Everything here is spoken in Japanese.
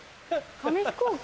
紙飛行機？